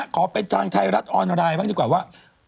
ขอเป็นทางไทยรัฐออนไลน์บ้างดีกว่าว่า